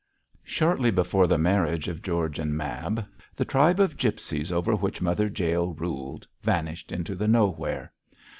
Shortly before the marriage of George and Mab, the tribe of gipsies over which Mother Jael ruled vanished into the nowhere.